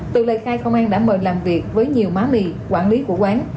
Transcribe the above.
từ lời khai công an đã mời làm việc với nhiều má mì quản lý của quán